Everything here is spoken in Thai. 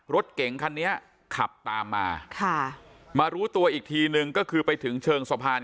รถเก๋งคันนี้ขับตามมาค่ะมารู้ตัวอีกทีนึงก็คือไปถึงเชิงสะพาน